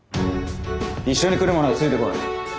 一緒に来る者はついてこい。